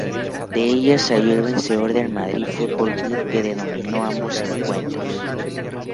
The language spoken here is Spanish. De ella salió vencedor el Madrid F. C. que dominó ambos encuentros.